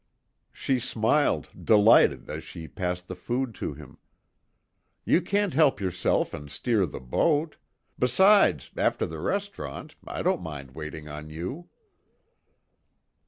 She smiled, delighted, as she passed the food to him. "You can't help yourself and steer the boat. Besides after the restaurant I don't mind waiting on you."